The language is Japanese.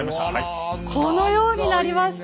このようになりました！